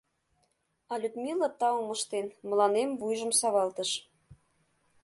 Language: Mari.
А Людмила, таум ыштен, мыланем вуйжым савалтыш.